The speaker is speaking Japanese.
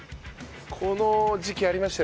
この時期ありましたよね